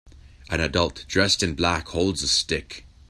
An adult dressed in black holds a stick.